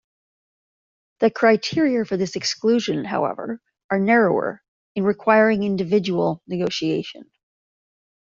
The criteria for this exclusion, however, are narrower in requiring "individual negotiation.